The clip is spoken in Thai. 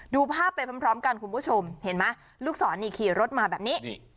ดูภาพไปพร้อมกันคุณผู้ชมเห็นไหมลูกศรนี่ขี่รถมาแบบนี้